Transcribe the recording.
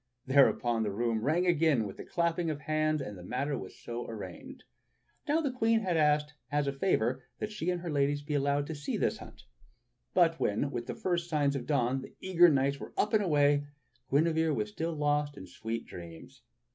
Thereupon the room rang again with the clapping of hands, and the matter was so arranged. Now the Queen had asked as a favor that she and her ladies be allowed to see this hunt; but when, with the first signs of dawn, the eager knights were up and away, Guinevere was still lost in sweet dreams.